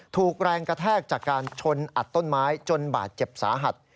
ถูกแรงกระแทกจากการชนอัดต้นไม้จนบาดเจ็บสาหัส